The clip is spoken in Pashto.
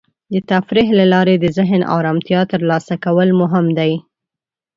د تفریح له لارې د ذهن ارامتیا ترلاسه کول مهم دی.